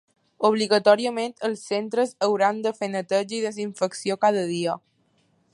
Obligatòriament, els centres hauran de fer neteja i desinfecció cada dia.